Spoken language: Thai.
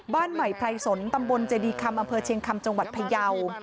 บ้านใหม่ไพรสนตำบลเจดีคำอำเภอเชียงคำจังหวัดพยาว